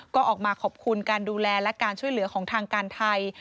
ก็ออกมาขอบคุณการดูแลและการช่วยเหลือของทางการไทย